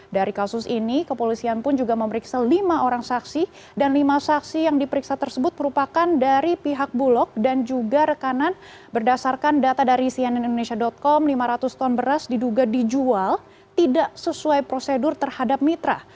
dari kasus ini kepolisian pun juga memeriksa lima orang saksi dan lima saksi yang diperiksa tersebut merupakan dari pihak bulog dan juga rekanan berdasarkan data dari cnnindonesia com lima ratus ton beras diduga dijual tidak sesuai prosedur terhadap mitra